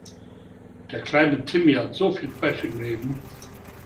Der kleine Timmy hat so viel Pech im Leben!